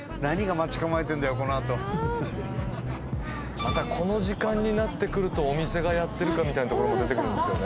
またこの時間になってくるとお店がやってるかみたいなところも出てくるんですよね。